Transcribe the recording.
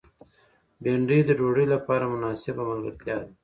بېنډۍ د ډوډۍ لپاره مناسبه ملګرتیا ده